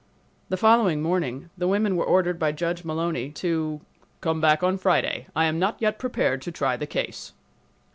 The following morning the women were ordered by Judge Mullowny to "come back on Friday. I am not yet prepared to try the case."